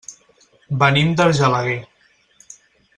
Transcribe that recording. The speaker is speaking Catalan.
Venim d'Argelaguer.